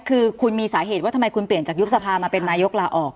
คือคุณมีสาเหตุว่าทำไมคุณเปลี่ยนจากยุบสภามาเป็นนายกลาออก